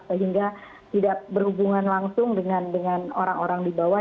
sehingga tidak berhubungan langsung dengan orang orang di bawah